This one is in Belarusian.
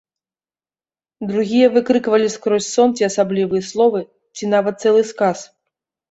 Другія выкрыквалі скрозь сон ці асаблівыя словы, ці нават цэлы сказ.